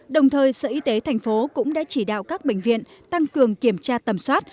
đồng thời sở y tế thành phố cũng đã chỉ đạo các bệnh viện tăng cường kiểm tra tầm soát